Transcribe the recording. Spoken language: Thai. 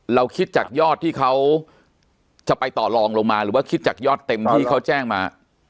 เราคิดจากยอดที่เขาจะไปต่อลองลงมาหรือว่าคิดจากยอดเต็มที่เขาแจ้งมา